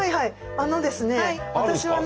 あのですね